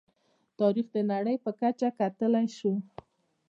تاریخ د نړۍ په کچه کتلی شو.